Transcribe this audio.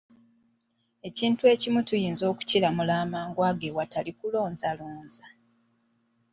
Ekintu ekimu tuyinza okukiramula amangu ago awatali kulonzalonza.